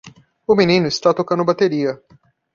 O menino está tocando bateria.